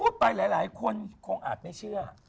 พูดไปหลายคนคงอาจไม่เชื่อ